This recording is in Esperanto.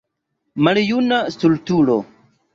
Maljuna stultulo!